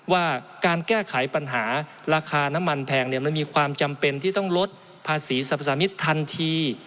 ว่าการแก้ไขปัญหาราคาน้ำมันแพงมันมีความจำเป็นที่ต้องลดภาษีสรรพสามิตรทันที